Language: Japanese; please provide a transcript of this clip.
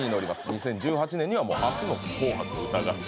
２０１８年にはもう初の「紅白歌合戦」